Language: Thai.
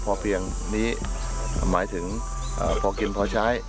พอเพียงนี้หมายถึงพอกินพอใช้